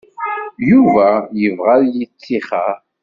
Yuba yebɣa ad yettixer.